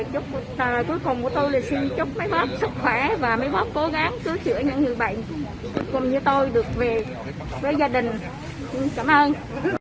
cuối cùng của tôi là xin chúc mấy bác sức khỏe và mấy bác cố gắng cứu những người bạn cũng như tôi được về với gia đình cảm ơn